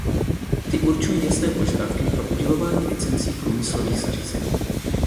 Ty určují jasné požadavky pro udělování licencí průmyslových zařízení.